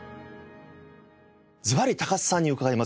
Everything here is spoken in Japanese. ずばり高須さんに伺います。